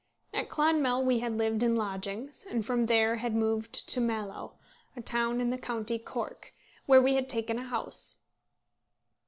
At Clonmel we had lived in lodgings, and from there had moved to Mallow, a town in the county Cork, where we had taken a house.